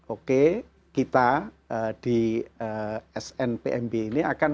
oke kita di snpmb ini akan